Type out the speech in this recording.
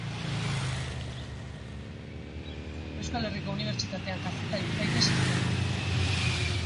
Euskal Herriko Unibertsitatean Kazetaritza ikasi zuen.